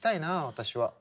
私は。